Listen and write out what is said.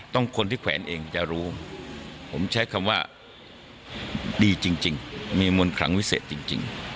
คนที่แขวนเองจะรู้ผมใช้คำว่าดีจริงมีมนต์ขลังวิเศษจริง